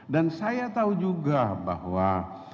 dan saya tahu juga bahwa